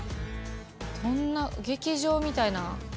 どんな劇場みたいな？